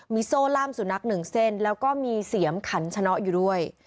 มีโซล่ำสุนัข๑เส้นแล้วก็มีเสียมขันฉะน้อยอยู่ด้วย